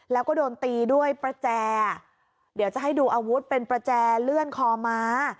แล้วก็โดนตีด้วยประแจเดี๋ยวจะให้ดูอาวุธเป็นประแจเลื่อนคอม้า